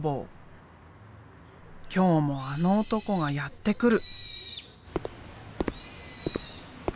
今日もあの男がやって来る。